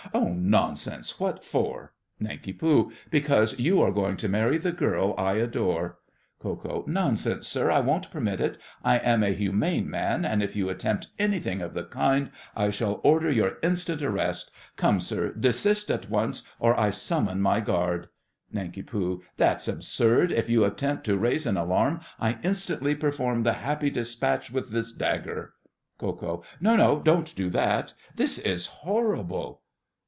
Oh, nonsense! What for? NANK. Because you are going to marry the girl I adore. KO. Nonsense, sir. I won't permit it. I am a humane man, and if you attempt anything of the kind I shall order your instant arrest. Come, sir, desist at once or I summon my guard. NANK. That's absurd. If you attempt to raise an alarm, I instantly perform the Happy Despatch with this dagger. KO. No, no, don't do that. This is horrible!